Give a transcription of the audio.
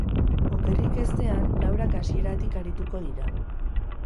Okerrik ezean laurak hasieratik arituko dira.